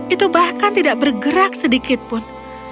itu bahkan tidak bergerak sedikitpun